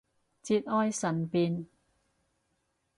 節哀順變